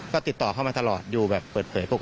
ก็ติดต่อเข้ามาตลอดอยู่แบบเปิดเผยปกติ